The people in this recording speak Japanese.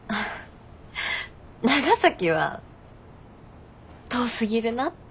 長崎は遠すぎるなって。